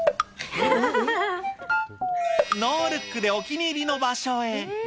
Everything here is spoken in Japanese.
ノールックでお気に入りの場所へ。